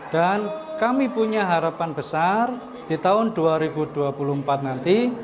dan kami punya harapan besar di tahun dua ribu dua puluh empat nanti